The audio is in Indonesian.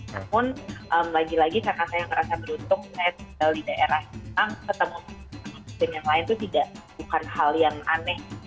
namun lagi lagi karena saya merasa beruntung saya tinggal di daerah kita ketemu muslim yang lain itu bukan hal yang aneh